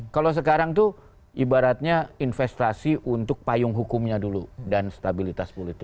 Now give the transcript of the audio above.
kalau sekarang itu ibaratnya investasi untuk payung hukumnya dulu dan stabilitas politik